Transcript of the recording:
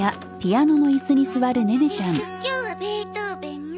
えっと今日はベートーベンの。